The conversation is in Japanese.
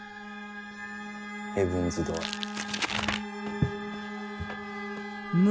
ヘブンズ・ドアー。